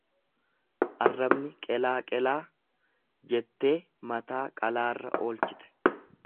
Arrabni qelaa qelaa, jettee mataa qalaarra oolchite.